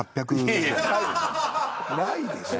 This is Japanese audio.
ないでしょ